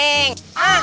enggak kamu di sini